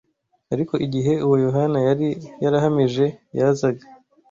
Ariko igihe Uwo Yohana yari yarahamije yazaga